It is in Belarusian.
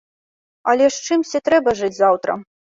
Але ж чымсьці трэба жыць заўтра!